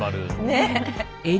ねえ。